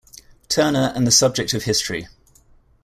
Turner and the Subject of History.